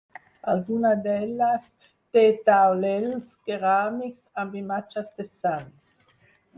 Alguna d'elles té taulells ceràmics amb imatges de sants.